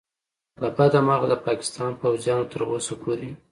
له بده مرغه د پاکستان پوځیانو تر اوسه پورې